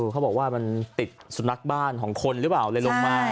เขาบอกว่ามันติดสุนัขบ้านของคนนึบอ่านลงมา